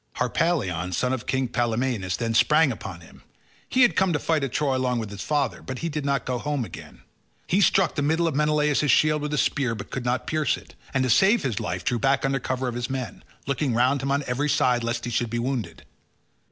Harpalion son of King Pylaemenes then sprang upon him; he had come to fight at Troy along with his father, but he did not go home again. He struck the middle of Menelaus's shield with his spear but could not pierce it, and to save his life drew back under cover of his men, looking round him on every side lest he should be wounded.